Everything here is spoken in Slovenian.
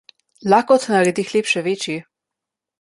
Lakota naredi hleb še večji.